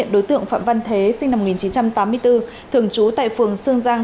đối tượng phạm văn thế sinh năm một nghìn chín trăm tám mươi bốn thường trú tại phường sương giang